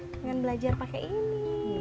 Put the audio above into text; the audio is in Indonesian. dengan belajar pakai ini